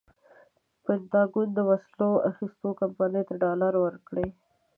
پنټاګون د وسلو اخیستنې کمپنۍ ته ډالر ورکړي.